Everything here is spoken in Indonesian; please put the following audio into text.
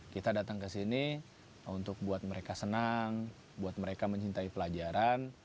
kita datang ke sini untuk buat mereka senang buat mereka mencintai pelajaran